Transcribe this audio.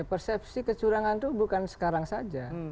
persepsi kecurangan itu bukan sekarang saja